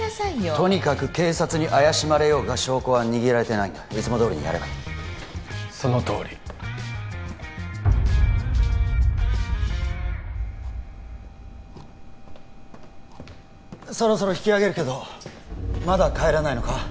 とにかく警察に怪しまれようが証拠は握られてないんだいつもどおりにやればいいそのとおりそろそろ引き上げるけどまだ帰らないのか？